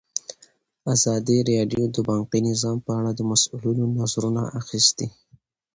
ازادي راډیو د بانکي نظام په اړه د مسؤلینو نظرونه اخیستي.